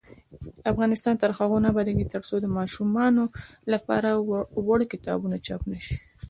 افغانستان تر هغو نه ابادیږي، ترڅو د ماشومانو لپاره وړ کتابونه چاپ نشي.